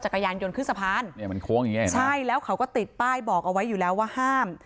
จักรยานยนต์ขึ้นสะพานใช่แล้วเขาก็ติดป้ายบอกเอาไว้อยู่แล้วว่าห้าม